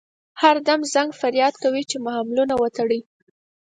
هر دم زنګ فریاد کوي چې محملونه وتړئ.